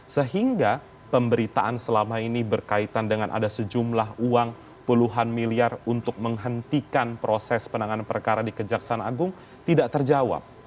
sehingga pemberitaan selama ini berkaitan dengan ada sejumlah uang puluhan miliar untuk menghentikan proses penanganan perkara di kejaksaan agung tidak terjawab